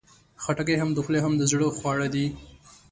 خټکی هم د خولې، هم د زړه خواړه دي.